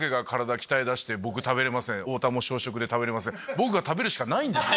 僕が食べるしかないんですよ。